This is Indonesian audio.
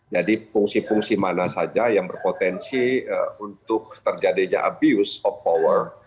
jadi fungsi fungsi mana saja yang berpotensi untuk terjadinya abuse of power